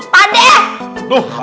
pak ustadz lihat